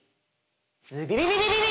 ズビビビビビビ！